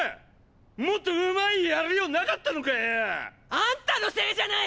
アンタのせいじゃない！！